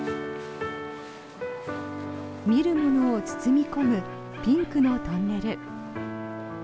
見る者を包み込むピンクのトンネル。